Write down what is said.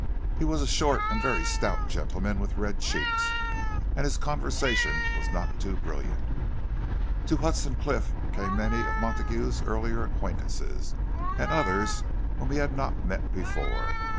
He was a short and very stout gentleman with red cheeks, and his conversation was not brilliant. To Hudson Cliff came many of Montague's earlier acquaintances, and others whom he had not met before.